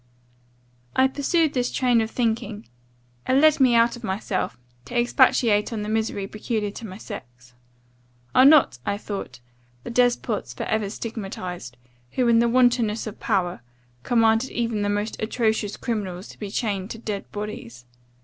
"I pursued this train of thinking; it led me out of myself, to expatiate on the misery peculiar to my sex. 'Are not,' I thought, 'the despots for ever stigmatized, who, in the wantonness of power, commanded even the most atrocious criminals to be chained to dead bodies?